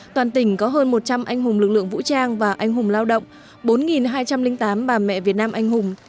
toàn tỉnh có hơn một trăm linh anh hùng lực lượng vũ trang và anh hùng lao động bốn hai trăm linh tám bà mẹ việt nam anh hùng